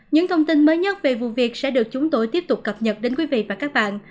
những thông tin mới nhất về vụ việc sẽ được chúng tôi tiếp tục cập nhật đến quý vị và các bạn